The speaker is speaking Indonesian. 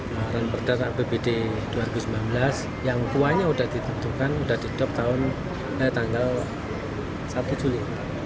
pemerintah apbd dua ribu sembilan belas yang kuahnya sudah ditentukan sudah ditetap tanggal satu juli